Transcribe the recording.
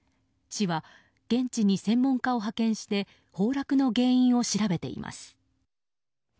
市は現地に専門家を派遣して崩落の原因を調べています。